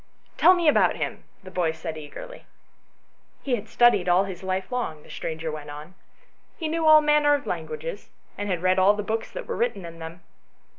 " Tell me about him," the boy said eagerly. "He had studied all his life long," the stranger went on; "he knew all manner of languages, and had read all the books that were written in them.